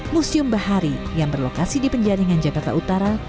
museum bahari yang berlokasi di penjaringan jakarta utara